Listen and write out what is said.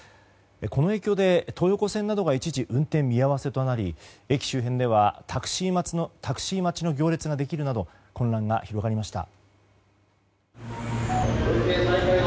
この影響で東横線などが一時運転見合わせとなり駅周辺ではタクシー待ちの行列ができるなど混乱が広がりました。